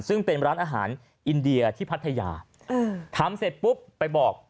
ซึ่งเป็นร้านอาหารอินเดียที่พัทยาทำเสร็จปุ๊บไปบอก